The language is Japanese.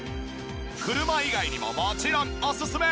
車以外にももちろんおすすめ！